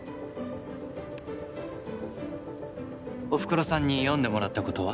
おふくろさんに読んでもらったことは？